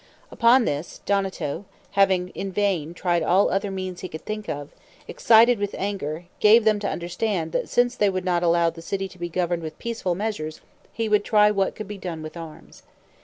Upon this, Donato, having in vain tried all other means he could think of, excited with anger, gave them to understand that since they would not allow the city to be governed with peaceful measures, he would try what could be done with arms.